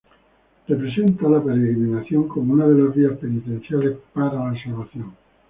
Representa la peregrinación como una de las vías penitenciales para la salvación.